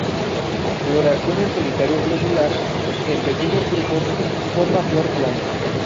Floración en solitario globular, en pequeños grupos, forma flor plana.